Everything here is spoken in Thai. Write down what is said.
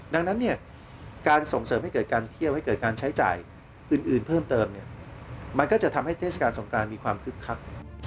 ดังนั้นเนี่ยการส่งเสริมให้เกิดการเที่ยวให้เกิดการใช้จ่ายอื่นเพิ่มเติมมันก็จะทำให้เทศกาลสงการมีความคึกคัก